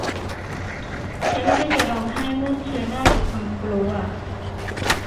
ฉันไม่ได้จะร้องไห้เมื่อเผชิญหน้ากับความกลัว